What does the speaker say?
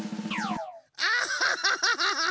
アッハハハハ！